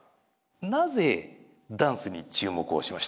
なぜダンスに注目をしましたか？